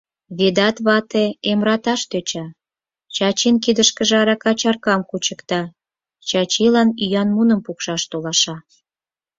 — Ведат вате эмраташ тӧча, Чачин кидышке арака чаркам кучыкта, Чачилан ӱян муным пукшаш толаша.